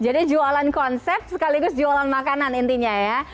jadi jualan konsep sekaligus jualan makanan intinya ya